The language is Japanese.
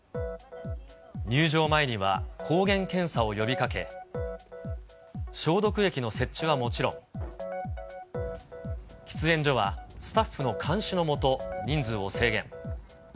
入場前には抗原検査を呼びかけ、消毒液の設置はもちろん、喫煙所はスタッフの監視の下、人数を制限。